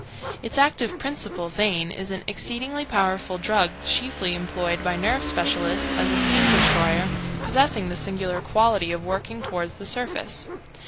Its active principle, theine, is an exceedingly powerful drug, chiefly employed by nerve specialists as a pain destroyer, possessing the singular quality of working toward the surface.